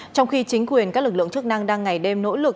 trong khi chính quyền các lực lượng chức năng đang ngày đêm nỗ lực